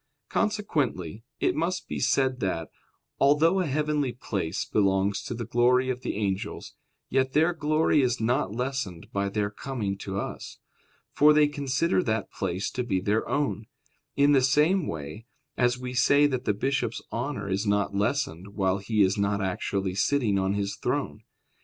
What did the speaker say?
Consequently, it must be said that, although a heavenly place belongs to the glory of the angels, yet their glory is not lessened by their coming to us, for they consider that place to be their own; in the same way as we say that the bishop's honor is not lessened while he is not actually sitting on his throne.